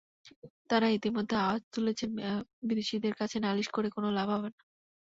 তাঁরা ইতিমধ্যে আওয়াজ তুলেছেন, বিদেশিদের কাছে নালিশ করে কোনো লাভ হবে না।